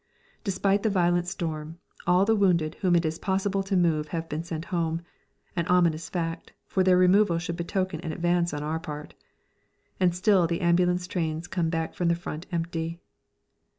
Despite the violent storm, all the wounded whom it is possible to move have been sent home (an ominous fact, for their removal should betoken an advance on our part), and still the ambulance trains come back from the front empty.